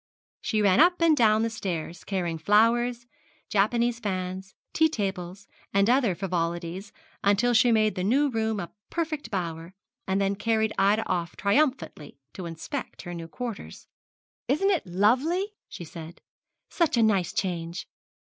She ran up and down stairs carrying flowers, Japanese fans, tea tables, and other frivolities, until she made the new room a perfect bower, and then carried Ida off triumphantly to inspect her new quarters. 'Isn't it lovely,' she said, 'such a nice change?